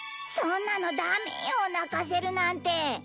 そんなのダメよ泣かせるなんて。